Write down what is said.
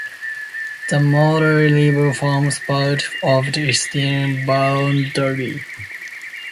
The Mooloolah River forms part of the eastern boundary.